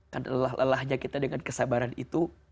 karena lelah lelahnya kita dengan kesabaran itu